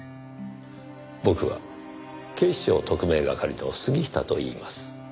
僕は警視庁特命係の杉下といいます。